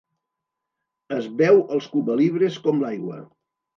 Es beu els cubalibres com l'aigua.